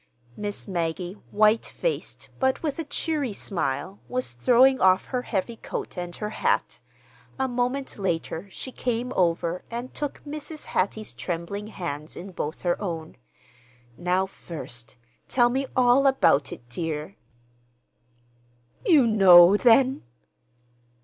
Miss Maggie, white faced, but with a cheery smile, was throwing off her heavy coat and her hat. A moment later she came over and took Mrs. Hattie's trembling hands in both her own. "Now, first, tell me all about it, dear." "You know, then?"